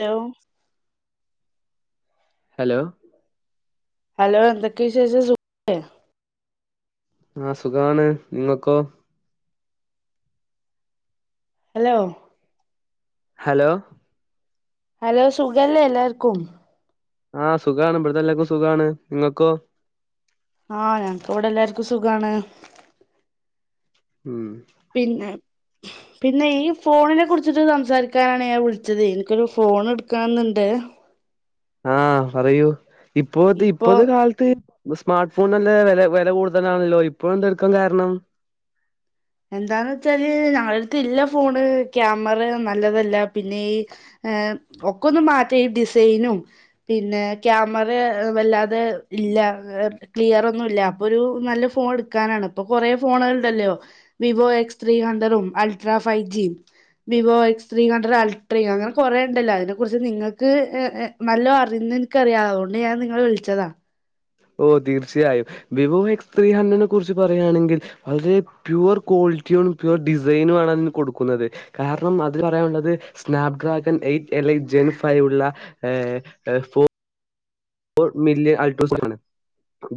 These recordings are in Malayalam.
ഹലോ ഹലോ ഹലോ എന്തൊക്കെ വിശേഷം സുഖല്ലേ ആ സുഖാണ് നിങ്ങക്കോ ഹലോ ഹലോ ഹലോ സുഖല്ലേ എല്ലാർക്കും? ആഹ സുഖാണ് ഇവിടുത്തെെല്ലേക്കും സുഖാണ് നിങ്ങൾക്കോ? ആ ഞനക്ക് ഇവിടെ എല്ലാർക്കും സുഖാണ് ഉം പിന്നെ പിന്നെ ഈ ഫോണിനെ കുറിച്ചിട്ട് സംസാരിക്കാനാണ് ഞാൻ വിളിച്ചത് എനിക്കൊരു ഫോൺ എടുക്കണന്നുണ്ട് [inaudible] ആഹ് പറയൂ ഇപ്പത്തെ ഇപ്പൊ ഇപ്പത്തെ കാലത്ത് സ്മാർട്ട് ഫോൺ നല്ല വില വില കൂടുതലാണല്ലോ ഇപ്പോഴ എന്തെടുക്കാൻ കാരണം എന്താന്ന് വെച്ചാല് ഞങ്ങള അടുത്ത് ഇല്ല ഫോണ് ക്യാമറ നല്ലതല്ല പിന്നെ ഈ ഏ ഒക്കെ ഒന്ന് മാറ്റ ഈ ഡിസൈനും പിന്നെ ക്യാമറ വല്ലാതെ ഇല്ല ക്ലിയർ ഒന്നുല്ല അപ്പൊ ഒരു നല്ല ഫോൺ എടുക്കാനാണ് ഇപ്പൊ കൊറേ ഫോണുകളണ്ടല്ലോ വിവോ എക്സ് ത്രീ ഹണ്ടറും അൾട്രാ ഫൈവ് ജിയും Vivo X three hundred ultra അങ്ങനെ കൊറേ ഉണ്ടല്ലോ അതിനെ കുറി നിങ്ങക്ക് നല്ലോ അറി എനിക്കറിയാം അതുകൊണ്ട് ഞാൻ നിങ്ങൾ വിളിച്ചതാ ഓ തീർച്ചയായും വിവോ എസ് ത്രീ ഹന്ദ്രെഡ്നേ കുറിച്ച് പറയുകയാണെങ്കിൽ വളരെ പ്യുവർ കോ ളിറ്റിയാണ് പ്യുവർ ഡിസൈനും ആണ് അതിന് കൊടുക്കുന്നത് കാരണം അത് പറയാനുള്ളത് സ്നാപ് ഡ്രാഗൺ എയ്റ്റ് എല്ല ജൻഫൈ ഉള്ള ഏ ഫോ ഫോ മിലിയൻ അറ്റ്രോസിക്കൻ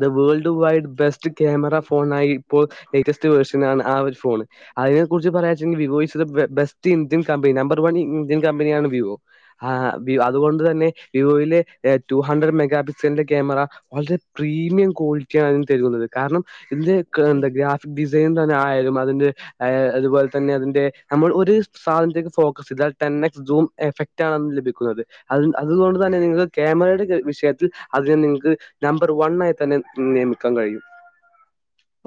the world wide best camera ഫോണായി ഇപ്പോൾ ലേറ്റസ്റ്റ് വെർഷനാണ് ആ ഒരു ഫോണ് അതിനെ കുറിച്ച് പറയാച്ചുെങ്കിൽ Vivo is best Indian company number one Indian കമ്പനിയാണ് വിവോ ആ അതുകൊണ്ട് തന്നെ വിവോയിലെ ടു ഹൺഡ്രഡ് മെ മെഗാ പിക്സലിന്റെ ക്യാമറ വളരെ പ്രീമിയം ക്വാളിറ്റി ആണ് തരകുന്നത് കാരണം [unintelligible] തന്നെ ആലും അതിന്റെ അതുപോലെ തന്നെ അതിന്റെ നമ്മൾ ഒരു സാധനത്ത ഫോക്കസ് ചെയതാൽ തന്നെ [unintelligible] ടെൻ എസ് സൂം എഫക്ട് ആണ് ലഭിക്കുന്നത് അതുകൊണ്ട് തന്നെ നിങ്ങൾക്ക് ക്യാമറയുടെ വിഷയ അതിനെ നിങ്ങക്ക് നമ്പർ വൺ ആയി തന്നെ നിയമിക്കാൻ കഴിയും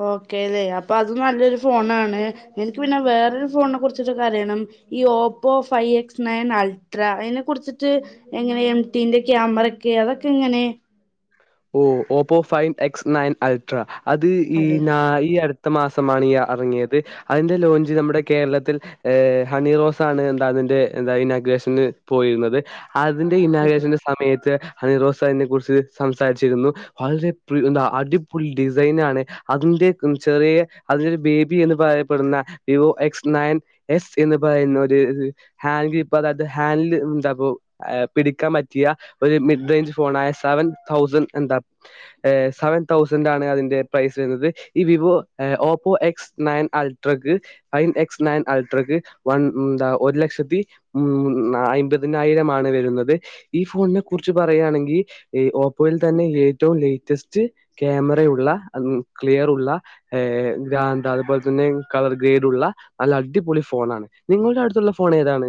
ഓക്കേ അല്ലേ അപ്പൊ അത് നല്ലൊരു ഫോണാണ് എനിക്ക് പിന്നെ വേറരു ഫോണിനെ കുറിച്ചിട്ട കരയണം ഈ Oppo five X nine ultra അതിനെ കുറിച്ചിട്ട് എങ്ങനെ എംടിന്റെ ക്യാമറ കേ അതൊക്കെ എങ്ങനെ ഓ Oppo five X nine ultra അത് ഈ അതെ നാ ഈ അടു ത്ത മാസമാണ് ഇറങ്ങിയത് അതിന്റെ ലോഞ്ച് നമ്മുടെ കേരളത്തിൽ ഹണി റോസ് ആണ് എന്താ ൻ്റെ എന്താ ഇനാഗുറേഷൻ പോയിരുന്നത് അതിന്റെ അതെ ഇന്നകേശന്റെ സമയത്ത് അണിറോസ അതിനെ കുറിച്ച് സം സാരിച്ചിരുന്നു വളരെ അടിപൊളി ഡിസൈനാണ് അതിന്റെ ചെറിയ അതിന്റെ ബേബി എന്ന് പറയപ്പെടുന്ന വിവോ എക്സ് നയൻ എസ് എന്ന് പറയുന്ന ഒരു ഹാൻഡ് കീപ്പർ അതത് ഹാൻഡിൽ എന്താ പിടിക്കാൻ പറ്റിയ ഒരു മിഡ്റേഞ്ച് ഫോണയ സെവൻ തൗസൻഡ് എന്താ സെവൻ തൗസൻ്റണ് അതിന്റെ പ്രൈസ് വരുന്നത് ഈ വിവോ ഏ ഓ പോ എക്സ് നയൻ അൽട്രക്ക് ഫൈവൻ എക്സ് നയൻ അൽട്രക്ക് വൻ എന്താ ഒരു ലക്ഷത്തി ഉം അമ്പതിനായിരം ആണ് വരുന്നത് ഈ ഫോണിനെ കുറിച്ച് പറയുകയാണെങ്കിൽ ഓ പ്പോ തന്നെ ഏറ്റവും ലേറ്റസ്റ്റ് ക്യാമറ ഉള്ള ക്ലിയറൂള്ള [unintelligible] ആന്താ അതുപോലെ തന്നെ കളർ ഗ്രേടുള്ള നല്ല അ ടിപൊളി ഫോണാണ് നിങ്ങളുടെ അടുത്തുള്ള ഫോൺ ഏതാണ്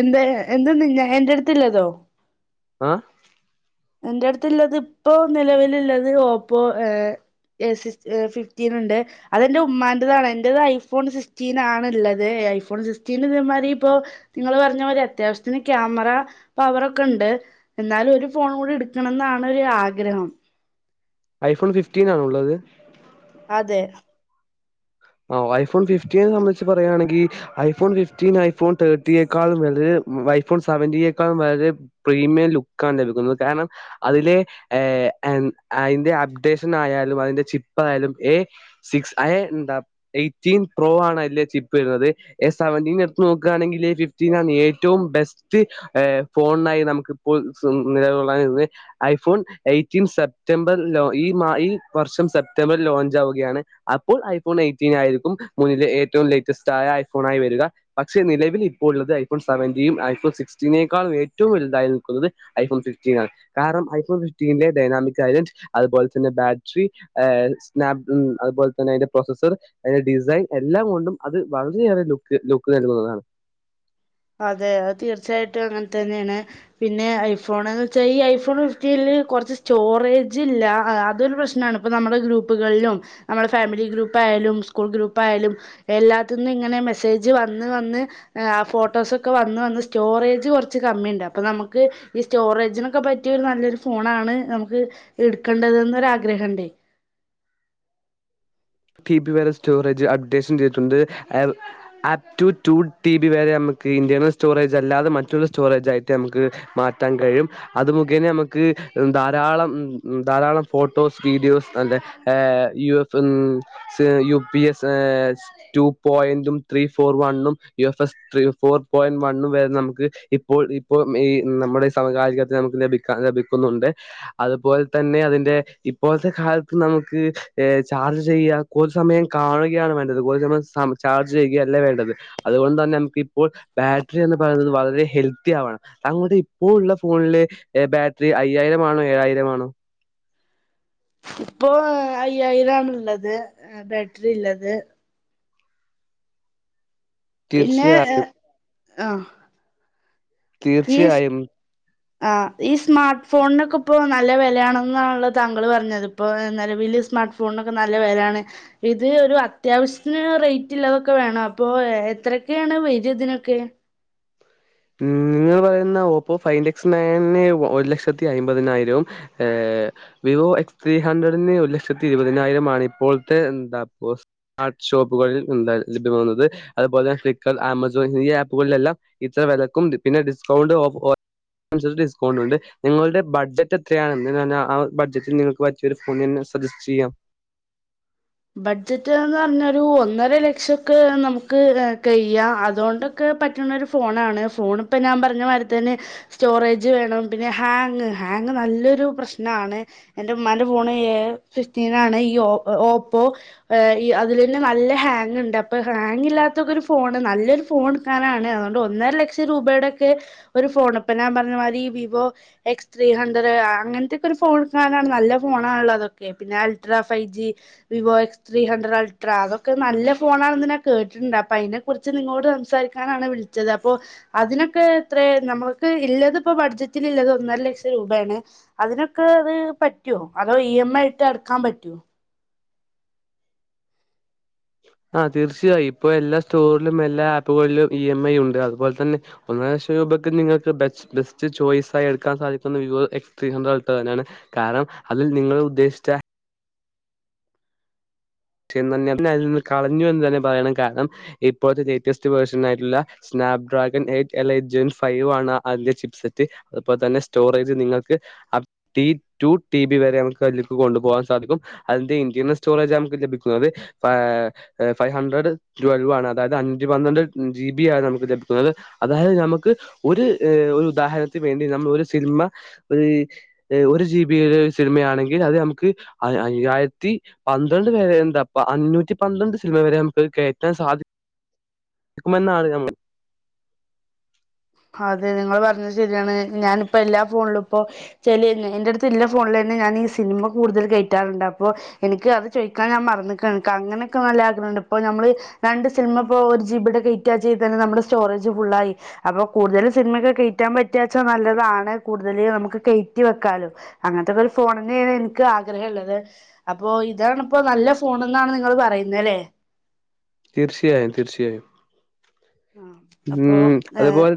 എന്താ എന്ത എന്റെ അടുത്തല്ലതോ ആ എന്റെ അടുത്ത്ള്ളത് ഇപ്പോ നിലവിലുള്ളത് ഓപ്പോ ഏ സി ഫിഫ്റ്റീൻ ഉണ്ട് അതെന്റെ ഉമ്മാൻ്റെതാണ് എൻ്റത് ഐഫോൺ സിക്സ്റ്റീൻ ആണ്ള്ളത് ഐഫോൺ സിക്സ്റ്റീൻ ഇമാതി ഇപ്പോ നിങ്ങള് പറഞ്ഞ മാതി അത്യാവശ്യത്തിന് ക്യാമറ പവറോക്കെ ഉണ്ട് എന്നാലും ഒരു ഫോൺ കൂടി എടുക്കണംന്നാണ് ഒരു ആഗ്രഹം ഐഫോൺ ഫിഫ്റ്റീൻ ആണുള്ളത് അതെ ഓ ഐഫോൺ ഫിഫ്റ്റീനെ സംബന്ധിച്ച് പറയുകയാണെങ്കിൽ ഐഫോൺ ഫിഫ്റ്റീൻ ഐഫോൺ തേർട്ടിയെക്കാളും വളരെ ഐഫോൺ സെവന്റിക്കാണ് വളരെ പ്രീമിയം ലുക്കാണ് ലഭിക്കുന്നത് കാരണം അതിലെ ഏ എ എൻ അതിന്റെ അപ്ഡേഷൻ ആയാലും അതിന്റെ ചിപ്പ് ആയാലും, എയ്റ്റീൻ പ്രോ ആണ് അല്ലേ ചിപ്പ് വരുന്നത്. എ സെവൻറീൻ എടുത്ത് നോക്കുകയാണെങ്കിൽ ഫിഫ്റ്റീനാണ് ഏറ്റവും വും ബെസ്റ്റ് ഏ ഫോണായി നമുക്കിപ്പോൾ നിലൊള്ളുന്നത് ഐഫോൺ എയ് റ്റീൻ സെപ്റ്റംബർ ഈ ഈ വർഷം സെപ്റ്റംബർ ലോഞ്ച് ആവുകയാണ് അപ്പോൾ ഐഫോൺ എയ് ഫ്റ്റീൻ ആയിരിക്കും മുന്നിലെ ഏറ്റവും ലേറ്റസ്റ്റ് ആയ ഐഫോൺ ആയി വരിക. പക്ഷെ നിലവിൽ ഇപ്പോൾ ഉള്ളത് ഐഫോൺ സെവൻ്റീൻ യും ഐഫോൺ സിക്സ്റ്റിനെക്കാളും ഏറ്റവും വലുതായി നിൽക്കുന്നത് ഐഫോൺ ഫിഫ്റ്റീനാണു. കാരണം ഐഫോൺ ഫിഫ്റ്റീന്റെ ഡൈനാമിക് ഐലന്റ് അതുപോലെ തന്നെ ബാറ്ററി ഏ സ്നാപ് അതുപോലെ തന്നെ അതിന്റെ പ്രൊസസർ അതിന്റെ ഡിസൈൻ എല്ലാം കൊണ്ടും അത് വളരെയേറെ ലുക്ക് ലുക്ക് നൽകുന്നതാണ്. അതെ അത് തീർച്ചയായിട്ടും അങ്ങനെ തന്നെയാണ്. പിന്നെ ഐഫോൺന്ന് വെച്ചാ ഈ ഐഫോൺ ഫിഫ്റ്റീല് കുറച്ച് സ്റ്റോറേജില്ല അതൊരു പ്രശ്നമാണ് ഇപ്പ നമ്മുടെ ഗ്രൂപ്പുകളിലും നമ്മുടെ ഫാമിലി ഗ്രൂപ്പ് യാലും സ്കൂൾ ഗ്രൂപ് ആയാലും എല്ലാത്തിനും ഇങ്ങനെ മെസ്സേജ് വന്ന് വന്ന് ഫോട്ടോ ഫോട്ടോസൊക്കെ വന്ന് വന്ന് സ്റ്റോറേജ് കുറച്ച് കമ്മിയുണ്ട് അപ്പോൾ നമുക്ക് ഈ സ്റ്റോറേജിനൊക്കെ പറ്റിയ ഒരു നല്ലൊരു ഫോൺ ഫോണാണ് നമുക്ക് എടുക്കേണ്ടത് എന്ന് ഒരു ആഗ്രഹംണ്ടേ. ടി ബി വരെ സ്റ്റോറേജ് അപ്ഡേഷൻ ചെയ്തിട്ടുണ്ട്. Up to two T B വരെ നമു ക്ക് ഇന്റേർണൽ സ്റ്റോറേജ് അല്ലാതെ മറ്റൊരു സ്റ്റോറേജ് ആയ്ട്ടു നമുക്ക് മാറ്റാൻ കഴിയും. അത് മുഖേനേ നമുക്ക് ധാരാളം ധാരാളം ഫോട്ടോസ് വീഡിയോസ് നല്ല ഏഹ് U F S U P S two പോയിന്റും ത്രീ ഫോർ വണ്ണും U F S four four point one വരെ നമുക്ക് ഇപ്പോൾ ഇപ്പ ഈ നമ്മുടെ സമകാലിക നമുക്ക് ലഭിക്കാ ലഭിക്കുന്നു. ഉണ്ട് അതുപോലെ തന്നെ അതിന്റെ ഇപ്പോഴത്തെ കാലത്ത് നമുക്ക് ചാർജ് ചെയ്യാൻ കൊതു സമയം കാണുകയാണ് വേണ്ടത് കൊതു സമയം ചാർജ് ചെയ്യുകയല്ലേ വേണ്ടത് അതുകൊണ്ട് തന്നെ നമുക്ക് ഇപ്പോൾ ബാറ്ററി എന്ന് പറയുന്നത് വളരെ ഹെൽത്തി ആവണം. താങ്കളുടെ ഇപ്പോ ഉള്ള ഫോണിലെ ബാറ്ററി അയ്യാ ആയിരം ആണോ ഏഴായിരംമാണോ എത് ഇപ്പൊ അയ്യായിരംണ് ഉള്ളത്, ബാറ്ററി ഉള്ളത്. പിന്നെ തീർച്ചയായും ഏ ആ തീർച്ചയായും. ആ ഈ സ്മാർട്ട് ഫോണിനൊക്കെ ഇപ്പോ നല്ല വിലയാണെന്നാണ് താങ്കള് പറഞ്ഞത്, ഇപ്പോ നിലവില് സ്മാർട്ട് ഫോണൊക്കെ നല്ല വിലയാണ്. ഇത് ഒരു അത്യാവശ്യത്തിനുള്ള റേഞ്ചള്ളതൊക്കെ വേണം അപ്പോ എത്രയൊക്കെയാണ് വരതിനൊക്കെ ഉം നിങ്ങള് ഓപ്പോ ഫൈവക്സ് നയണ് ഒരു ലക്ഷത്തി അമ്പതിനായിരം ഏ വിവോ എ ത്രീ ഹൺഡ്രഡിന് ഒരു ലക്ഷത്തി ഇരുപതിനായിരം ആണ് ഇപ്പോഴത്തെ എന്താ ആ ഷോപ്പുകളിൽ എന്തായ ലഭ്യമാകുന്നത് അതുപോലെ തന്നെ ഫ്ലിപ്കാർ ആമസോ എന്നീ ആപ്പുകളിലെല്ലാം ഇ വിലക്കും പിന്നെ ഡിസ്കൗണ്ട് ഓ ഡിസ്കൗണ്ട് ഉണ്ട് നിങ്ങളുടെ ബഡ്ജറ്റ് എത്രയാണ് എ ആ ബഡ്ജറ്റിൽ നിങ്ങൾക്ക് പറ്റിയ ഒരു ഫോൺന്നെ സജസ്റ്റ് ചെയ്യാം. ബഡ്ജറ്റ് എന്ന് പറഞ്ഞാ ഒരു ഒന്നര ലക്ഷം ഒക്കെ നമുക്ക് കഴ്യാം, അതുകൊണ്ടൊക്കെ പറ്റ്ണ ഒരു ഫോണാണ് ഫോൺ ഇപ്പ ഞാൻ പറഞ്ഞ പോലെത്തന്നെ സ്റ്റോറേജ് വേണം. പിന്നെ ഹാങ്ങ് ഹാങ്ങ് നല്ലൊരു പ്രശ്നമാണ്. എൻ്റെ ഉമ്മാന്റെ ഫോണ് എ ഫിസ്റ്റീനാണ് ഈ ഓ പ്പോ അതിൽ തന്നെ നല്ല ഹാങ്ങ് ഉണ്ട് അപ്പോ ഹാങ്ങില്ലത്തക്കെ ഫോണ് നല്ലൊരു ഫോൺ ഇട്ക്ക അതാണ് അതോണ്ട് ഒന്നര ലക്ഷം രൂപയുടെ ഒക്കെ ഒരു ഫോണ് പ ഞാൻ പറഞ്ഞ മാരി വിവോ എക്സ്ട്രീം അന്തര അങ്ങനത്തെക്കെ ഒരു ഫോൺ ഇട്കാനാണ് നല്ല ഫോണാണല്ലോ അതൊക്കെ പിന്നെ ultra five G Vivo X three hundred ultra അതൊക്കെ നല്ല ഫോണാണെന്ന് ഞാൻ കേട്ടിട്ടുണ്ട്. അപ്പ അതിനെ കുറിച്ച് നിങ്ങളോട് സംസാരി കാണാന് വിളിച്ചത്. അപ്പോ അതിനൊക്കെത്ര നമ്മുക്ക് ഇല്ലത്പ്പോ ബഡ്ജറ്റിൽല്ലത് ഒന്നര ലക്ഷ രൂപയാണ്. അതിനൊക്കെ അത് പറ്റുവോ അതോ ഇ എം ഐ ആയിട്ട് അടക്കാൻ പറ്റോ. ആ തീർച്ചയായും ഇപ്പൊ എല്ലാ സ്റ്റോറിലും എല്ലാ ആപ്പുകളിലും ഇ എം ഐ ഉണ്ട് അതുപോലെ തന്നെ ഒന്ന് [unintelligible] നിങ്ങക്ക് ബസ് ബെസ്റ്റ് ചോയ്സായി എടുക്കാൻ സാധിക്കുന്ന Vivo X three hundred ultra തന്നെയാണ് കാ കാരണം അതിൽ നിങ്ങൾ ഉദ്ദേശിച്ച [unintelligible] കളഞ്ഞു എന്ന് തന്നെ പറയണം കാരണം ഇപ്പോഴത്തെ ലേറ്റസ്റ്റ് വേർഷനായിട്ടുള്ള Snapdragon eight elite gen five ആണ് അതിന്റെ ചിപ്സെറ്റ് അപ്പോൾ തന്നെ സ്റ്റോറേജ് നിങ്ങൾക്ക് അപ് ടി ടു ടിബി വരെ നമ്മുക്ക് അതിലേക്ക് കൊണ്ടുപോകാൻ സാധിക്കും അതിന്റെ ഇന്റെർണൽ സ്റ്റോറേജ് നമുക്ക് ലഭി ഫൈവ് ഹൺഡ്രഡ് ട്വൽവ് ആണ് അതായത് അഞ്ച് പന്ത്രണ്ട് ജിബിയാണ് നമുക്ക് തരുന്നത് അതായത് നമുക്ക് ഒരു ഒരു ഉദാഹരണത്തിന് വേണ്ടി നമ്മൾ ഒരു സിനിമ ഒരു ഒരു ജിബി സിനിമയാണെങ്കിൽ അത് നമുക്ക് അയ്യായിരത്തി പന്ത്രണ്ട് വരെ അപ്പ അഞ്ഞൂറ്റി പന്ത്രണ്ട് സിനിമ വരെ നമുക്ക് കയറ്റാൻ സാധിക്കും [inaudible] അതെ നിങ്ങൾ പറഞ്ഞത് ശരിയാണ് ഞാനിപ്പോ എല്ലാ ഫോണിലും ഇപ്പോ ചേലെന്ന് എന്റെടുത്ത് ഇല്ല ഫോൺ പോലാന്നെ ഞാൻ ഈ സിനിമ കൂടുതൽ കയറ്റാറുണ്ട് അപ്പോ എനിക്ക് അത് ചോദിക്കാൻ ഞാൻ മറന്ന്ക്ക്ണ് ഇക്ക് അങ്ങനൊക്കെ നല്ല [unintelligible] കണ്ടപ്പോ ഞമ്മള് രണ്ട് സിനിമ ഇപ്പോ ഒരു ജിബിയുടെ കയറ്റിയാ ചെയ്തന്നെ നമ്മുടെ സ്റ്റോറേജ് ഫുള്ളായി അപ്പൊ കൂടുതൽ സിനിമയൊക്കെ കയറ്റാൻ പറ്റിയച്ച നല്ലതാണ് കൂടുതൽ നമുക്ക് കയറ്റി വെയ്ക്കാലോ അങ്ങ ഇതവര് ഫോണന്നെയ്ത് ഇൻക്ക് ആഗ്രഹം ഇള്ളത് അപ്പൊ ഇതാണിപ്പോ നല്ല ഫോൺന്നാണ് നിങ്ങള് പറയുന്നെല്ലേ [inaudible] തീർച്ചയായും തീർച്ചയായും അപ്പൊ ഉം ഏഹ് അതുപോലെ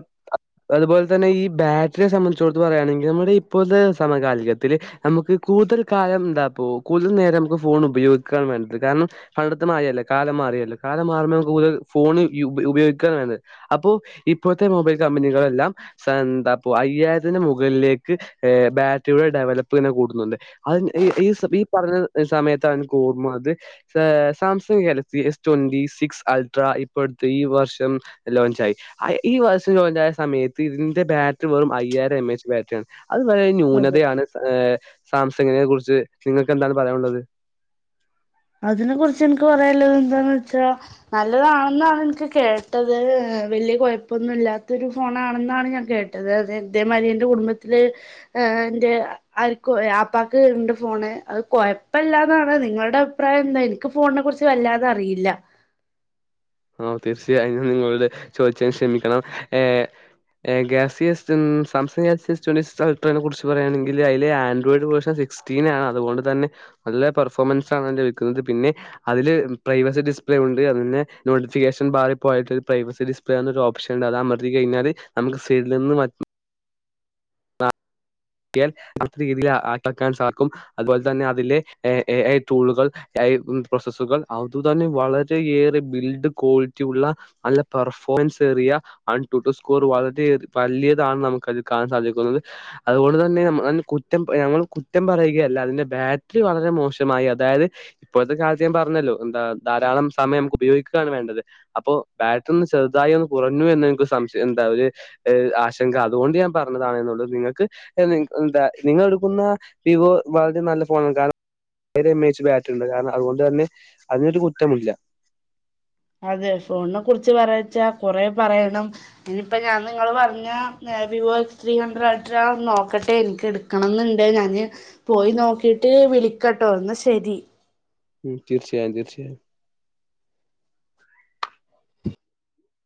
അതുപോലെ തന്നെ ഈ ബാറ്ററിയെ സംബന്ധിച്ചോടുത്ത് പറയുകയാണെങ്കിൽ നമ്മുടെ ഇപ്പോഴത്തെ സമകാലികത്തിൽ നമുക്ക് കൂടുതൽ കാലം എന്താ കൂടുതൽ നേരം നമുക്ക് ഫോൺ ഉപയോഗിക്കാം എന്നുണ്ട്. കാരണം പണ്ടത്തേ മാറിയല്ല കാലം മാറി റിയല്ല കാലം മാറുമ്പ നമുക്ക് കൂടുതൽ ഫോൺ ഉപ ഉപയോഗിക്കാൻ [unintelligible] അപ്പോ ഇപ്പോഴത്തെ മൊബൈൽ കമ്പനികളെല്ലാം എന്താ അപ്പോ അയ്യായിരത്തിന് മുകളിലേക്ക് ബെ ബാറ്ററിയുടെ ഡെവലപ്പ് തന്നെ കൂടുന്നുണ്ട് അത് ഈ ഈ ഈ പറഞ്ഞ സമയത്താണ് എനിക്ക് ഓർമ്മ Samsung Galaxy S twenty six ultra ഇപ്പോഴത്തെ ഈ വർഷം ലോഞ്ചായി ആഹ് ഈ വർഷം ലോഞ്ച് ആയ സമയത്ത് ഇതിന്റെ ബാറ്ററി വെറും അയ്യായിരം എം എച്ച് ബാറ്ററിയാണ്. അത് വളരെ അതെ ന്യൂനതയാണ് സാംസങ്ങിനെ കുറിച്ച് നിങ്ങൾക്ക് എന്താണ് പറയാനുള്ളത് അതിനെ കുറിച്ച് എനിക്ക് പറയല്ലാന്നുള്ളത് എന്താന്ന് വെച്ചാ നല്ലതാണെന്നാണ് എനിക്ക് കേട്ടത് വലിയ കുഴപ്പൊന്നും ഇല്ലാത്തൊരു ഫോണാണെന്നാണ് ഞാൻ കേട്ടത് അത് ഇതേമാതിരി എന്റെ കുടുംബത്തില് ആഹ് ആഹ് എന്റെ ആര്ക്കോ ഏഹ് ആപ്പാക്ക് ഉണ്ട് ഫോണ് അത് കൊയപ്പില്ലാന്നാണ് നിങ്ങളുടെ അ അഭിപ്രായം എന്താ എനിക്ക് ഫോണിനെ കുറിച്ച് വല്ലാതെ അറിയില്ല ആഹ് തീർച്ചയായും ഞാൻ നിങ്ങളോട് ചോദിച്ചെന് ക്ഷെമിക്കണം ഏഹ് ഗാസാംസടു സാംസങ്ങ് എസ്ട്രി അൾ്രനെ കുറിച്ച് പറയുകയാണെങ്കിൽ അതിൽ ആൻഡ്രോയിഡ് വേഷൻ സ്‌റ്റിനാണ് അതുകൊണ്ട് തന്നെ നല്ല പെർഫോമൻസാണ് ലഭിക്കുന്നത് പിന്നെ അതില് പ്രൈവസി ഡിസ് യുണ്ട് അതന്നെ നോട്ടിഫിക്കേഷൻ ബാറിൽ പോയിട്ട് പ്രൈവസി ഡിസ്പ്ലേന്നൊരു ഓപ്ഷൻ ഉണ്ട് അത് അമർത്തി കഴിഞ്ഞാല് നമുക്ക് [unintelligible] ഇയാൾ അടുത്ത രീതിയിൽ ആപ്പാക്കാൻ സാർക്കും അതുപോലെ തന്നെ അതിൽ എ എഐ ടൂളുകൾ [unintelligible] [unintelligible] പ്രോസസുകൾ അതുതന്നെ വളരെയേറെ ബിൽഡ് ക്വാളിറ്റി ഉള്ള നല്ല പെർഫോ റിയ ആൺടു സ്കോർ വളരെ വലിയതാണ് നമുക്കത് കാണാൻ സാധിക്കുന്നത്. അതുകൊണ്ട് തന്നെ അന് കുറ്റം ഞങ്ങൾ കുറ്റം പറയുകയല്ല അതിന്റെ ബാറ്ററി വളരെ മോശമായി അതായത് ഇപ്പോഴത്തെ കാലത്ത് ഞാൻ പറഞ്ഞല്ലോ എന്താ ധാരാളം സമയം നമുക്ക് ഉപയോഗിക്കുകാണ് വേണ്ടത് അപ്പോ ബാറ്ററി ഒന്ന് ചെ ചെറുതായി ഒന്ന് കുറഞ്ഞു എന്ന് ഇൻക്ക് സംശയം എന്താ ഒരു ഈഹ് ആശങ്ക അതുകൊണ്ട് ഞാൻ പറഞ്ഞതാണ് എന്നുള്ളത് നിങ്ങൾക്ക് എന് എന്താ നിങ്ങൾ എടുക്കുന്ന വിവോ വളരെ നല്ല ഫോണാണ് കാ അതിൽ ഇമേജ് ബാറ്ററിയുണ്ട് കാരണം അതുകൊണ്ട് തന്നെ അതിനൊരു കുറ്റമില്ല അതെ ഫോണിനെ കുറിച്ച് പറയച്ചാ കൊറേ പറയണം ഇനിപ്പ ഞാൻ നിങ്ങള് പറഞ്ഞ [unintelligible] ത്രീ ഹൺഡ്രഡ് അൾട്രാ നോക്കട്ടെ എനിക്ക് എടുക്കണംന്ന് ഇണ്ട് ഞാന് പോയി നോക്കിട്ട് [unintelligible] വിളിക്കട്ടോ എന്നാ ശരി ഉം തീർച്ചയായും തീർച്ചയായും